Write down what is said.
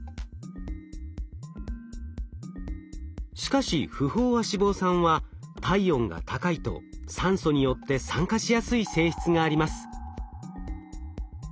しかし不飽和脂肪酸は体温が高いと酸素によって酸化しやすい性質があります。